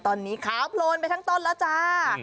ตอนนี้ขาวโพลนไปทั้งต้นแล้วจ้า